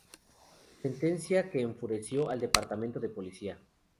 Sentencia que enfureció al Departamento de Policía.